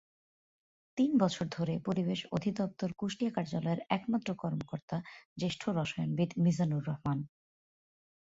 তিন বছর ধরে পরিবেশ অধিদপ্তর কুষ্টিয়া কার্যালয়ের একমাত্র কর্মকর্তা জ্যেষ্ঠ রসায়নবিদ মিজানুর রহমান।